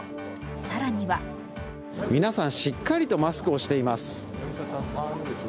更には皆さん、しっかりとマスクをしています。